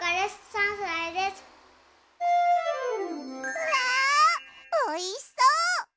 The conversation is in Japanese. うわおいしそう！